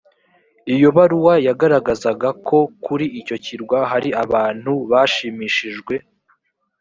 iyo baruwa yagaragazaga ko kuri icyo kirwa hari abantu bashimishijwe